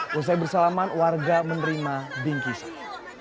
selesai bersalaman warga menerima bingkisan